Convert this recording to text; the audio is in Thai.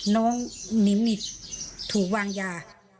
น้องนิมิตถูกวางยา